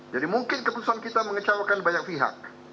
jadi mungkin keputusan kita mengecewakan banyak pihak